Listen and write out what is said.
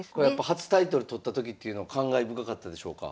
初タイトル取った時っていうのは感慨深かったでしょうか？